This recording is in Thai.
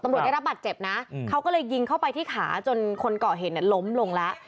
ตำรวจได้รับบัตรเจ็บนะเค้าก็เลยยิงเข้าไปที่ขาจนคนก่อเหตุล้มลงแล้ว